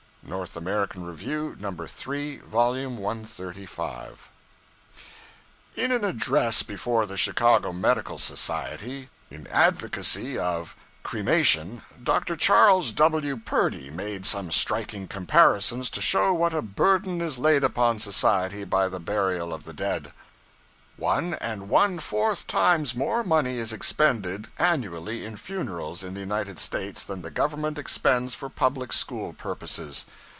North American Review, No. 3, Vol. 135. In an address before the Chicago Medical Society, in advocacy of cremation, Dr. Charles W. Purdy made some striking comparisons to show what a burden is laid upon society by the burial of the dead: 'One and one fourth times more money is expended annually in funerals in the United States than the Government expends for public school purposes.